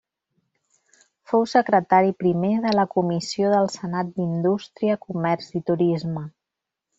Fou secretari primer de la Comissió del Senat d'Indústria, Comerç i Turisme.